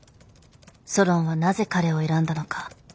ソロンはなぜ彼を選んだのか。